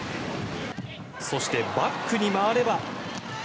そして、バックに回れば。